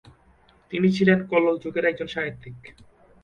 তিনি ছিলেন কল্লোল যুগের একজন সাহিত্যিক।